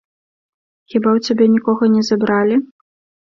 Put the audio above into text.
Хіба ў цябе нікога не забралі?